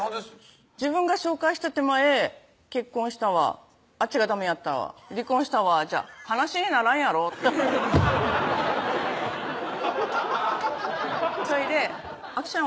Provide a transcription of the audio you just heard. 「自分が紹介した手前結婚したわあっちがダメやったわ離婚したわじゃ話にならんやろ？」ってそれであきちゃん